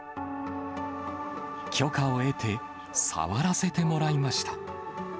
許可を得て、触らせてもらいました。